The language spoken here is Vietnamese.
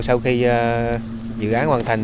sau khi dự án hoàn thành